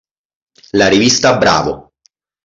La rivista Bravo!